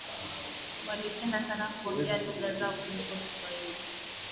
walipenda sana kuongea lugha zao kuliko kiswahili